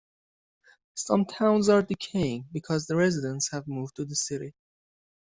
Some towns are decaying because residents have moved to the city.